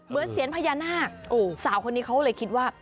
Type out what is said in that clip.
เสียญพญานาคสาวคนนี้เขาเลยคิดว่า